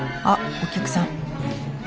あお客さん。